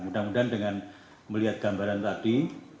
mudah mudahan dengan melihat gambaran tadi